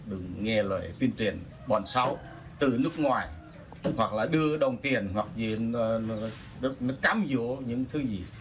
được nghe lời tuyên truyền bọn xấu từ nước ngoài hoặc là đưa đồng tiền hoặc gì nó cắm vô những thứ gì